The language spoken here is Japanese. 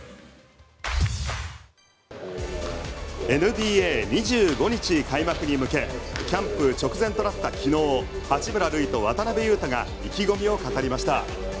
ＮＢＡ、２５日開幕に向けキャンプ直前となった昨日八村塁と渡邊雄太が意気込みを語りました。